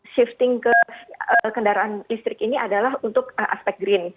shifting ke kendaraan listrik ini adalah untuk aspek green